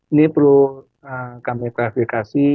ini perlu kami klarifikasi